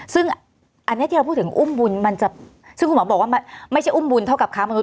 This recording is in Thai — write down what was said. ซึ่งอันนี้ที่เราพูดถึงอุ้มบุญมันจะซึ่งคุณหมอบอกว่าไม่ใช่อุ้มบุญเท่ากับค้ามนุษ